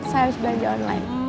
saya harus belanja online